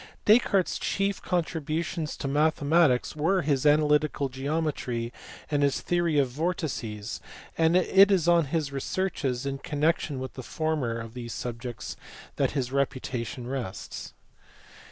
Descartes s chief contributions to mathematics were his analytical geometry and his theory of vortices, and it is on his researches in connection with the former of these subjects that his reputation rests.